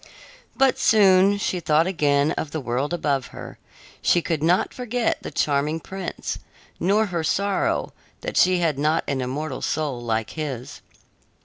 But soon she thought again of the world above her; she could not forget the charming prince, nor her sorrow that she had not an immortal soul like his.